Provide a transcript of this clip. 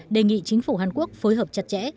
đề nghị chính phủ hàn quốc phối hợp chặt chẽ